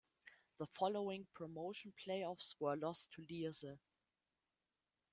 The following promotion playoffs were lost to Lierse.